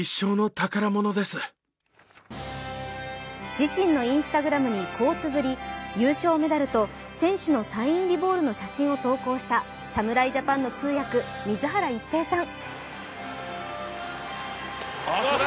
自身のＩｎｓｔａｇｒａｍにこうつづり、優勝メダルと選手のサイン入りボールの写真を投稿した侍ジャパンの通訳水原一平さん。